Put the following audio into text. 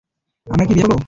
আমরা কি বিয়ে করবো?